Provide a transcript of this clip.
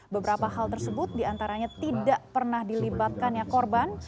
beberapa hal tersebut diantaranya tidak pernah dilibatkannya korban